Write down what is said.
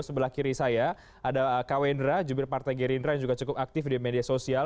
sebelah kiri saya ada kawendra jubir partai gerindra yang juga cukup aktif di media sosial